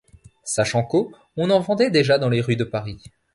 Sachant qu'au on en vendait déjà dans les rues de Paris.